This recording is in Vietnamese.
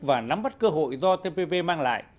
và nắm bắt cơ hội do tpp mang lại